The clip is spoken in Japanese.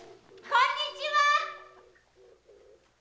・こんにちは！